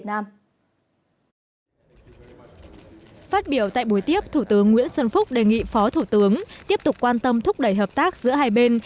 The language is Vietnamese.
phát biểu tại buổi tiếp thủ tướng nguyễn xuân phúc đề nghị phó thủ tướng tiếp tục quan tâm thúc đẩy hợp tác giữa hai bên